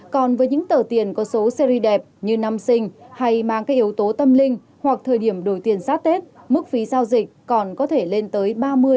còn với những tờ tiền có số series đẹp như năm sinh hay mang các yếu tố tâm linh hoặc thời điểm đổi tiền giáp tết mức phí giao dịch còn có thể lên tới ba mươi ba mươi